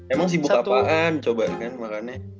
emang sibuk apaan cobain makannya